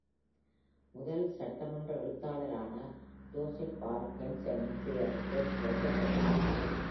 முதல் சட்டமன்ற எழுத்தரான ஜோசப் ஆர்.ஹான்சனின் பெயர் இதற்கு வைக்கப்பட்டது.